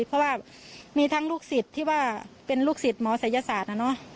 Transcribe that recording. เพราะว่ามีทั้งลูกศิษย์ที่ว่าเป็นลูกศิษย์หมอศัยศาสตร์นะเนอะ